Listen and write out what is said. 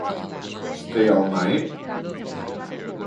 Stay all night?